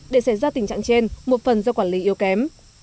để xảy ra tình trạng trên một phần do quản lý yếu kém